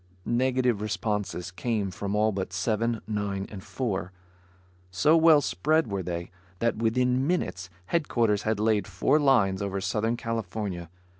Negative responses came from all but Seven, Nine and Four. So well spread were they, that within minutes headquarters had laid four lines over Southern California.